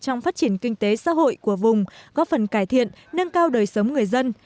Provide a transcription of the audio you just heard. trong phát triển kinh tế xã hội của vùng góp phần cải thiện nâng cao đời sống người dân